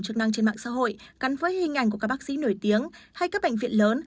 chức năng trên mạng xã hội gắn với hình ảnh của các bác sĩ nổi tiếng hay các bệnh viện lớn